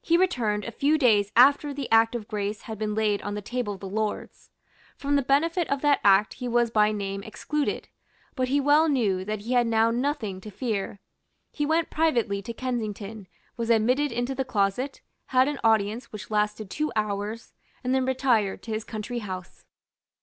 He returned a few days after the Act of Grace had been laid on the table of the Lords. From the benefit of that Act he was by name excluded; but he well knew that he had now nothing to fear. He went privately to Kensington, was admitted into the closet, had an audience which lasted two hours, and then retired to his country house.